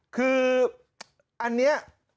คืออันนี้